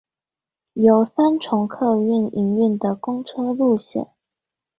由三重客運營運的公車路線